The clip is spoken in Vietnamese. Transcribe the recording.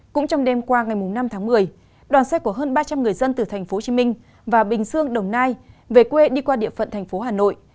cũng trong đêm qua ngày năm tháng một mươi đoàn xe của hơn ba trăm linh người dân từ thành phố hồ chí minh và bình dương đồng nai về quê đi qua địa phận thành phố hà nội